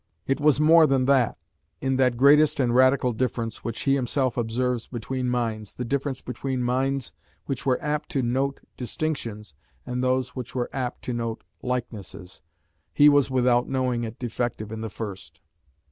It was more than that in that "greatest and radical difference, which he himself observes" between minds, the difference between minds which were apt to note distinctions, and those which were apt to note likenesses, he was, without knowing it, defective in the first.